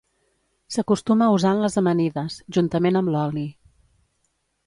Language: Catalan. S'acostuma a usar en les amanides, juntament amb l'oli.